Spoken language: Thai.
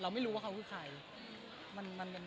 ไม่รู้ว่าเขาคือใคร